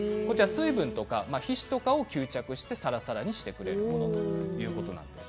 水分とか皮脂とかを吸着してさらさらにしてくれるというものです。